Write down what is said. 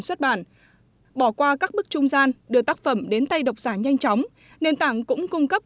xuất bản bỏ qua các bức trung gian đưa tác phẩm đến tay đọc giả nhanh chóng nền tảng cũng cung cấp